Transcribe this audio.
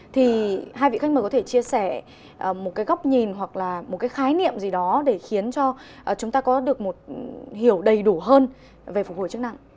thì hai vị khách mời có thể chia sẻ một cái góc nhìn hoặc là một cái khái niệm gì đó để khiến cho chúng ta có được một hiểu đầy đủ hơn về phục hồi chức năng